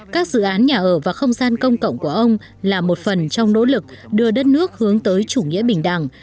các dự án nhà ở và không gian công cộng của ông là một phần trong nỗ lực đưa đất nước hướng tới chủ nghĩa bình đẳng